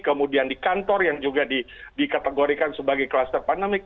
kemudian di kantor yang juga dikategorikan sebagai kluster pandemik